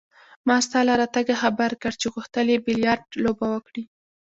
ما ستا له راتګه خبر کړ چې غوښتل يې بیلیارډ لوبه وکړي.